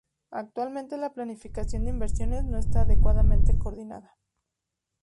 Actualmente la planificación de inversiones no está adecuadamente coordinada.